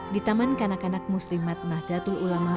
di taman kanak kanak muslimat mahdhatul ulama al fatah di bawah sanqidul ini